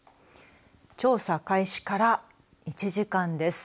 調査開始から１時間です。